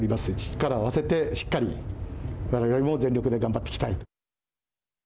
力を合わせてしっかりとわれわれも頑張っていきたい。